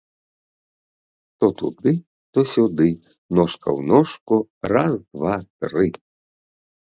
То туды, то сюды, ножка ў ножку, раз, два, тры!